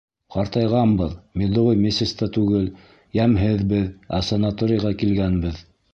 Ҡартайғанбыҙ, медовый месяц та түгел, йәмһеҙбеҙ, ә санаторийға килгәнбеҙ.